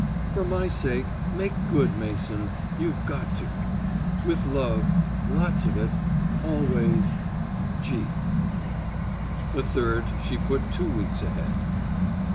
For my sake, make good, Mason you've got to. With love, lots of it, always, G._ A third she put two weeks ahead.